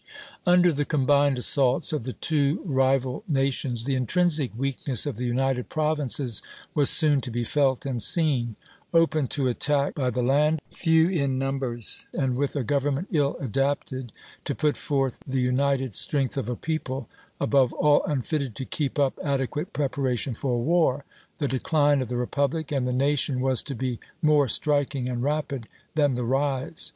Under the combined assaults of the two rival nations, the intrinsic weakness of the United Provinces was soon to be felt and seen. Open to attack by the land, few in numbers, and with a government ill adapted to put forth the united strength of a people, above all unfitted to keep up adequate preparation for war, the decline of the republic and the nation was to be more striking and rapid than the rise.